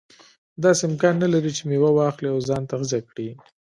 داسې امکان نه لري چې میوه واخلي او ځان تغذیه کړي.